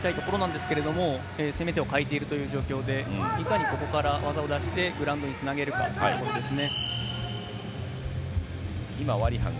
お互いに前に出て、取り合いたいところなんですけれども、攻め手を欠いているという状況でいかにここから技を出してグラウンドにつなげるかっていうことですね。